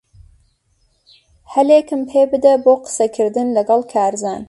ھەلێکم پێبدە بۆ قسەکردن لەگەڵ کارزان.